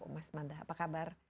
mas manda apa kabar